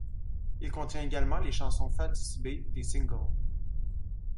Il contient également les chansons faces-B des singles.